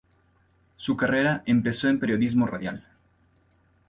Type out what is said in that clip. Su carrera empezó en periodismo radial.